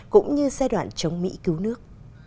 cũng như giai đoạn chống mỹ cứu nước